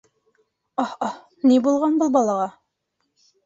Аһ-аһ, ни булған был балаға?